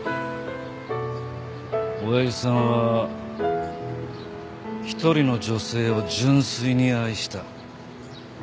おやじさんは一人の女性を純粋に愛した。